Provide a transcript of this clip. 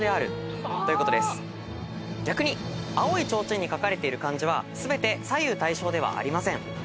逆に青い提灯に書かれている漢字は全て左右対称ではありません。